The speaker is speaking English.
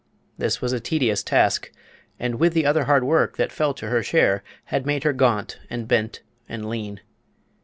This was a tedious task, and with the other hard work that fell to her share had made her gaunt and bent and lean.